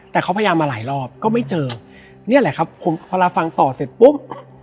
แต่เขาพยายามมาหลายรอบก็ไม่เจอเนี่ยแหละครับผมพอเราฟังต่อเสร็จปุ๊บ